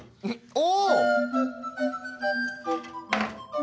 お！